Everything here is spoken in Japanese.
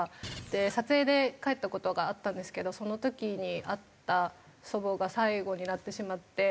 撮影で帰った事があったんですけどその時に会った祖母が最後になってしまって。